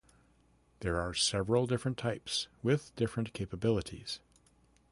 There are several different types with different capabilities.